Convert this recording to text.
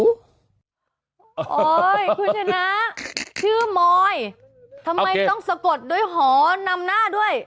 โอ้โหคุณชนะชื่อมอยทำไมต้องสะกดด้วยหอนำหน้าด้วย